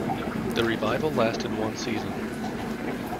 The revival lasted one season.